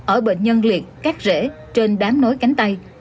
ở bệnh nhân liệt cát rễ trên đám nối cánh tay